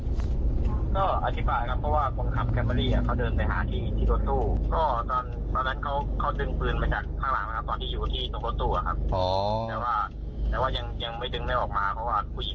ก็อธิบายครับเพราะว่าคนขับแคมบรี